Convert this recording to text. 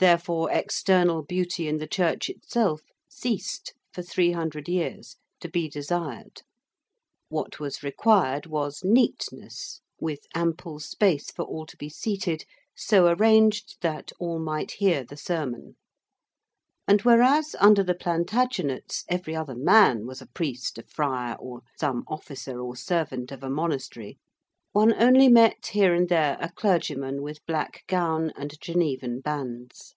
Therefore external beauty in the church itself ceased for three hundred years to be desired. What was required was neatness, with ample space for all to be seated, so arranged that all might hear the sermon. And whereas under the Plantagenets every other man was a priest, a friar, or some officer or servant of a monastery, one only met here and there a clergyman with black gown and Genevan bands.